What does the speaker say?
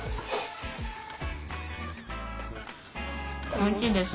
おいしいです。